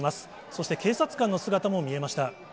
そして警察官の姿も見えました。